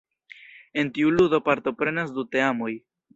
En tiu ludo partoprenas du teamoj.